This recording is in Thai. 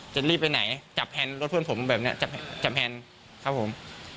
จะรีบไปไหนจับแพนรถเพื่อนผมแบบนี้จับแพนครับผม